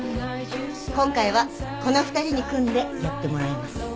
今回はこの２人に組んでやってもらいます。